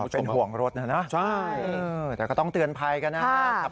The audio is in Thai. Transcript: เป็นห่วงรถนะนะใช่แต่ก็ต้องเตือนภัยกันนะครับ